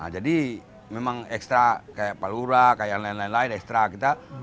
jadi memang ekstra kayak palura kayak yang lain lain ekstra kita